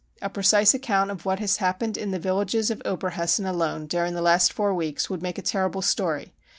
" A precise account of what has happened in the villages of Oberhessen alone during the last four weeks would make a terrible story.